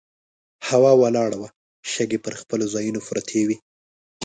هوا ولاړه وه، شګې پر خپلو ځایونو پرتې وې.